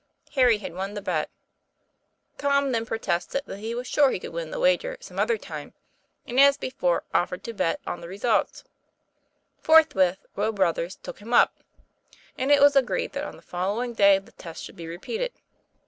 Harry had won the bet. Tom then protested that he was sure he could win the wager some other time; and, as before, offered to bet on the result. Forthwith, Will Ruthers took him up, and it was agreed that on the following day the test should be repeated.